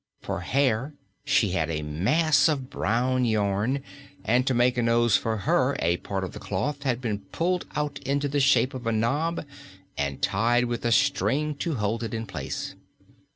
For hair, she had a mass of brown yarn, and to make a nose for her a part of the cloth had been pulled out into the shape of a knob and tied with a string to hold it in place.